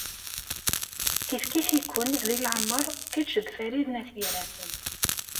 Kifkif-iken di leɛmeṛ kečč d Farid n At Yiraten.